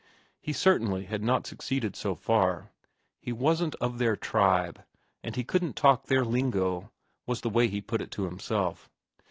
He certainly had not succeeded so far. He wasn't of their tribe, and he couldn't talk their lingo, was the way he put it to himself.